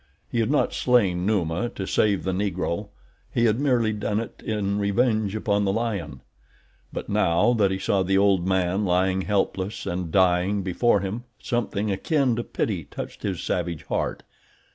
He had not slain Numa to save the Negro—he had merely done it in revenge upon the lion; but now that he saw the old man lying helpless and dying before him something akin to pity touched his savage heart.